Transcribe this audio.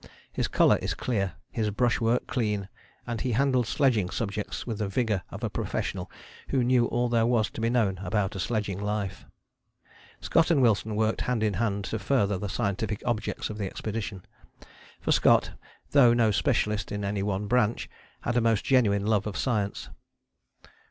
His colour is clear, his brush work clean: and he handled sledging subjects with the vigour of a professional who knew all there was to be known about a sledging life. [Illustration: LEADING PONIES ON THE BARRIER E. A. Wilson, del.] Scott and Wilson worked hand in hand to further the scientific objects of the expedition. For Scott, though no specialist in any one branch, had a most genuine love of science.